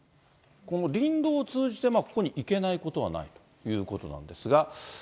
この林道を通じて、ここに行けないことはないということなんですが。